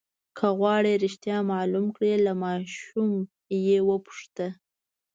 که غواړئ رښتیا معلوم کړئ له ماشوم یې وپوښته.